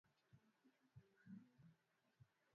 alo shughulikia maswala ya maendeleo yaani